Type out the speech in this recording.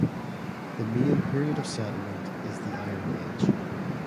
The main period of settlement is the Iron Age.